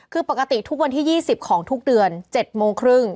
คือปกติทุกวันที่๒๐ของทุกเดือน๗โมงครึ่ง